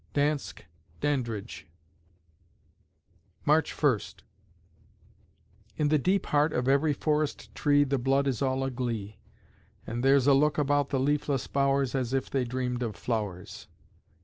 DANSKE DANDRIDGE March First In the deep heart of every forest tree The blood is all aglee, And there's a look about the leafless bowers As if they dreamed of flowers.